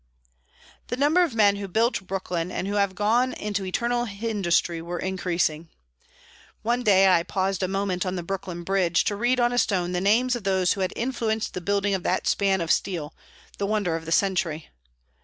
The number of men who built Brooklyn, and who have gone into eternal industry, were increasing. One day I paused a moment on the Brooklyn Bridge to read on a stone the names of those who had influenced the building of that span of steel, the wonder of the century.